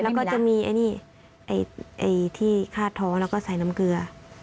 แล้วก็จะมีไอ้นี่ที่คาดท้อแล้วก็ใส่น้ำเกลือ